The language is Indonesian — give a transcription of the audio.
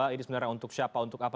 ini sebenarnya untuk siapa untuk apa